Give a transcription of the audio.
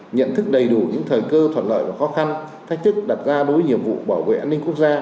nhận thức đầy đủ những thời cơ thuận lợi và khó khăn thách thức đặt ra đối với nhiệm vụ bảo vệ an ninh quốc gia